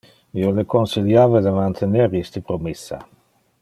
Io le consiliava de mantener iste promissa.